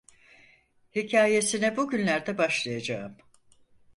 Hikâyesine bu günlerde başlayacağım.